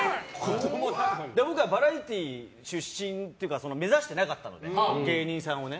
僕はバラエティー出身というか目指してなかったので芸人さんをね。